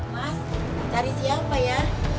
mas cari siapa ya